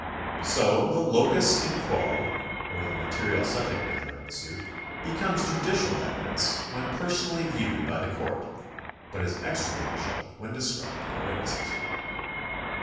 So the locus in quo or the material subject matter of a suit becomes judicial evidence, when personally viewed by the court, but is extrajudicial when described by witnesses.